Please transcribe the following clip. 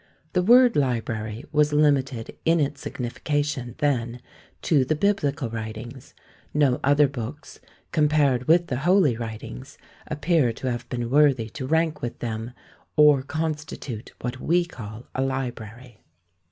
The word library was limited in its signification then to the biblical writings; no other books, compared with the holy writings, appear to have been worthy to rank with them, or constitute what we call a library.